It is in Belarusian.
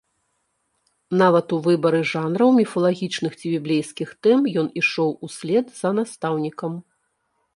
Нават у выбары жанраў, міфалагічных ці біблейскіх тэм ён ішоў услед за настаўнікам.